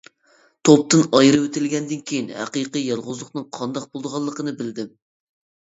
توپتىن ئايرىۋېتىلگەندىن كېيىن ھەقىقىي يالغۇزلۇقنىڭ قانداق بولىدىغانلىقىنى بىلدىم.